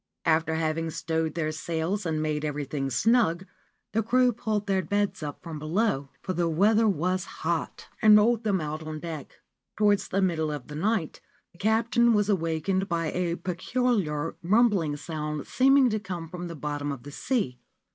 After having stowed their sails and made everything snug, the crew pulled their beds up from below (for the weather was hot) and rolled them out on deck. Towards the middle of the night the captain was awakened by a peculiar rumbling sound seeming to come from the bottom of the sea.